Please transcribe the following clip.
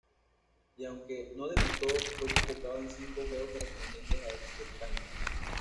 Y aunque no debutó, fue convocado en cinco juegos correspondientes a ese certamen.